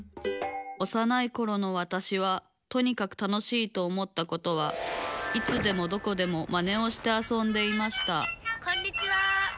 おさないころのわたしはとにかく楽しいと思ったことはいつでもどこでもマネをしてあそんでいましたこんにちは。